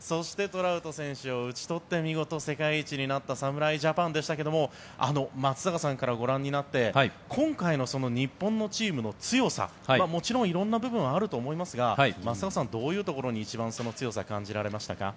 そしてトラウト選手を打ち取って見事、世界一になった侍ジャパンでしたが松坂さんからご覧になって今回の日本のチームの強さもちろん色んな部分あると思いますが松坂さん、どういうところに一番その強さを感じられましたか。